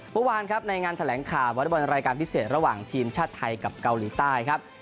เมื่อวานครับในงานแถลงข่าววอเล็กบอลรายการพิเศษระหว่างทีมชาติไทยกับเกาหลีใต้ครับ